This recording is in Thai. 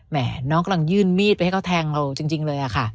น้องกำลังยื่นมีดไปให้เขาแทงเราจริงเลยอะค่ะ